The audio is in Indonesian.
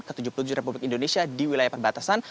ke tujuh puluh tujuh republik indonesia di wilayah perbatasan